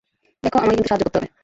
দেখো, আমাকে কিন্তু সাহায্য করতে হবে।